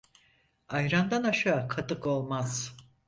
Ayrandan aşağı katık olmaz.